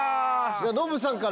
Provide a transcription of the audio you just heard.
ノブさんから。